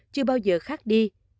chưa bao giờ khác đi